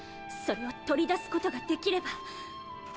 それを取り出すことができれば。